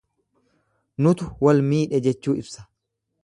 Nutu walmiidhe jechuu ibsa.